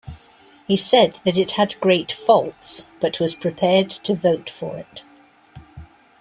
He said that it had great faults but was prepared to vote for it.